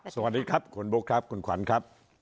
สวัสดีครับคุณบุ๊คครับคุณขวัญครับ